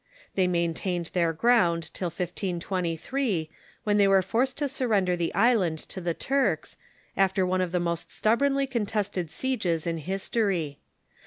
They maintained their ground till 1523, when they were forced to surrender the island to the Turks, after one of the most stubbornly contested sieges in history.